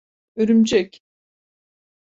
Örümcek…